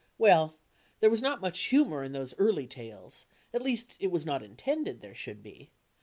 Well, there was not much humour in those early rales, at least, it was not intended there should be.